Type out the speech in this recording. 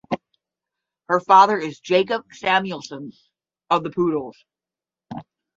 Her father is Jakob Samuelsson of The Poodles.